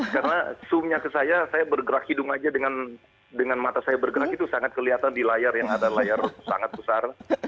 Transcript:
karena zoomnya ke saya saya bergerak hidung saja dengan mata saya bergerak itu sangat kelihatan di layar yang ada layar sangat besar